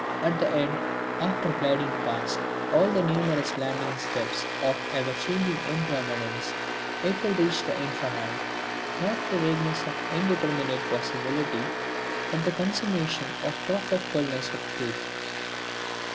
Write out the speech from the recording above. And at the end, after gliding past all the numerous landing steps of ever changing impermanence, it will reach the infinite, not the vagueness of indeterminate possibility, but the consummation of perfect fulness of Truth.